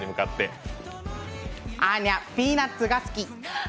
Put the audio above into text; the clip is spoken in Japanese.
アーニャピーナッツが好き。